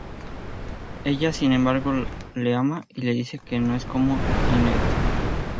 Ella sin embargo le ama y le dice que no es como Lynette.